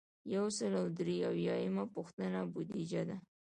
یو سل او درې اویایمه پوښتنه بودیجه ده.